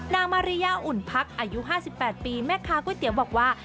มาริยาอุ่นพักอายุ๕๘ปีแม่ค้าก๋วยเตี๋ยวบอกว่า